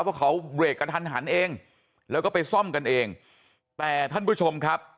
เพราะเขาเบรกกระทันหันเองแล้วก็ไปซ่อมกันเองแต่ท่านผู้ชมครับ